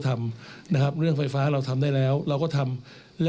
ค่อยนิดนึงนะครับใจเย็นนะครับ